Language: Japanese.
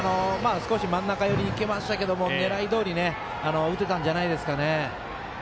少し真ん中にいきましたけど狙いどおり打てたんじゃないですかね。